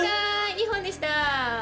２本でした。